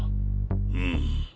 うん。